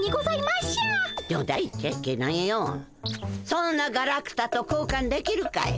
そんなガラクタと交換できるかい。